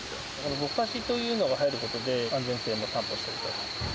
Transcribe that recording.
ぼかしというのが入ることで、安全性も担保している。